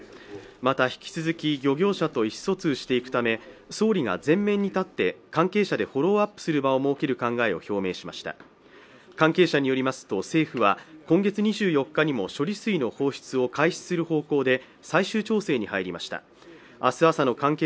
また引き続き漁業者と意思疎通していくため総理が前面に立って関係者でフォローアップする場を設ける考えを表明しました関係者によりますと政府は今月２４日にも処理水の放出を開始する方向で・あっ！！